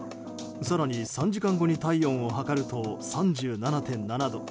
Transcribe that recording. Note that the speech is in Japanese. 更に３時間後に体温を測ると３７．７度。